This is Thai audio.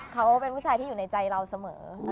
เขาเป็นผู้ชายที่อยู่ในใจเราเสมอ